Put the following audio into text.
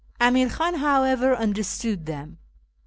Amir Khan, however, understood them.